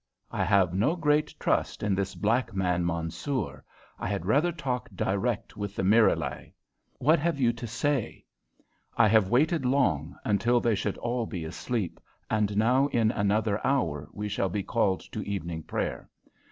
I have no great trust in this black man, Mansoor. I had rather talk direct with the Miralai." "What have you to say?" "I have waited long, until they should all be asleep, and now in another hour we shall be called to evening prayer.